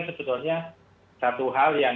sebetulnya satu hal yang